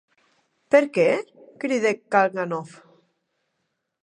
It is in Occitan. Per qué?, cridèc Kalganov.